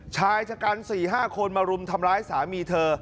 ชายจัดการสี่ห้าคนมารุมทำร้ายสามีเธอ